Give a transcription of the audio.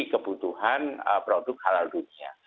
kebutuhan produk halal dunia